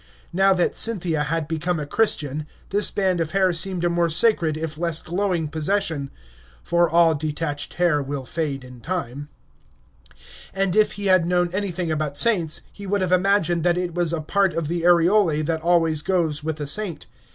Now that Cynthia had become a Christian, this band of hair seemed a more sacred if less glowing possession (for all detached hair will fade in time), and if he had known anything about saints, he would have imagined that it was a part of the aureole that always goes with a saint.